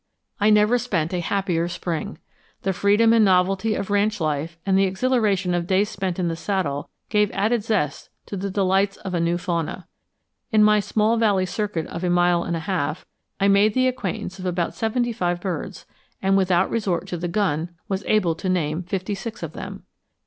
I never spent a happier spring. The freedom and novelty of ranch life and the exhilaration of days spent in the saddle gave added zest to the delights of a new fauna. In my small valley circuit of a mile and a half, I made the acquaintance of about seventy five birds, and without resort to the gun was able to name fifty six of them.